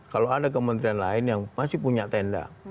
kalau ada kementerian lain yang masih punya tenda